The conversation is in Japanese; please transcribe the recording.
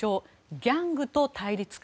ギャングと対立か。